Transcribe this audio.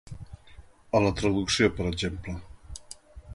A la traducció, per exemple.